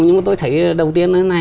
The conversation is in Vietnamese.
nhưng mà tôi thấy đầu tiên là